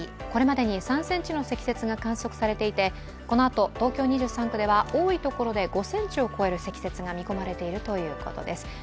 これまでに３ｃｍの積雪が観測されていて、このあと東京２３区では多い所で５ｃｍを超える積雪が見込まれているということです。